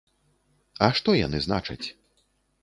А што яны значаць?